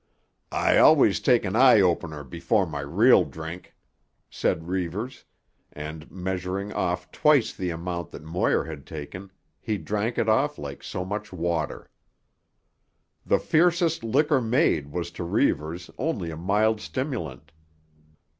"I always take an eye opener before my real drink," said Reivers, and, measuring off twice the amount that Moir had taken, he drank it off like so much water. The fiercest liquor made was to Reivers only a mild stimulant.